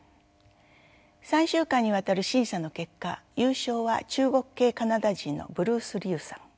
３週間にわたる審査の結果優勝は中国系カナダ人のブルース・リウさん。